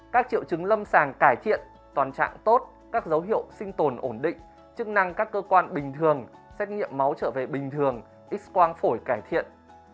các triệu chứng lâm sàng cải thiện toàn trạng tốt các dấu hiệu sinh tồn ổn định chức năng các cơ quan bình thường xét nghiệm máu trở về bình thường ít quang phổi cải thiện